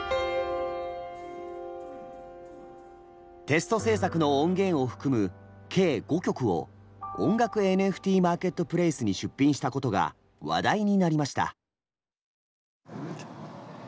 テスト制作の音源を含む計５曲を音楽ＮＦＴマーケットプレイスに出品したことが話題になりました。